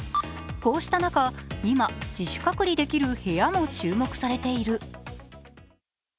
こうした中、今、自主隔離できる部屋も注目されている。